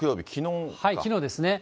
きのうですね。